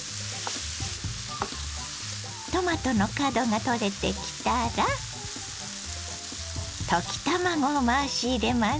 トマトの角が取れてきたら溶き卵を回し入れます。